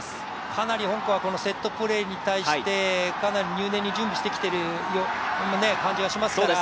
かなり香港はセットプレーに対してかなり入念に準備してきている感じがしますから。